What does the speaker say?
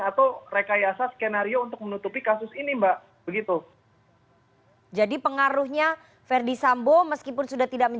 atau rekayasa skenario untuk menutupi kasus ini mbak